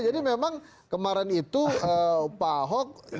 jadi memang kemarin itu pak ahok ya kembali lagi ke dia